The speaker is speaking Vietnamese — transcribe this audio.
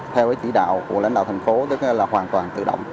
theo cái chỉ đạo của lãnh đạo thành phố tức là hoàn toàn tự động